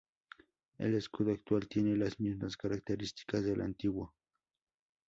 El escudo actual tiene las mismas características del antiguo.